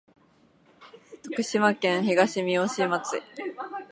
徳島県東みよし町